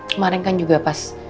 kemaren kan juga pas